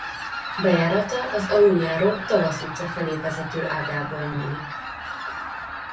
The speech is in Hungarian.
Bejárata az aluljáró Tavasz utca felé vezető ágából nyílik.